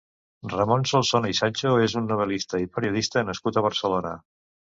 Ramon Solsona i Sancho és un novel·lista i periodista nascut a Barcelona.